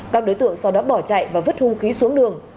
các đối tượng sau đó bỏ chạy và vứt hung khí xuống đường